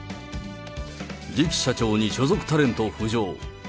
次期社長に所属タレント浮上。